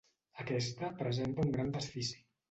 Aquesta presenta un gran desfici.